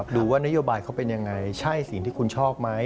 ดูว่านโยบายเขาเป็นยังไงใช่สิ่งที่คุณชอบไหม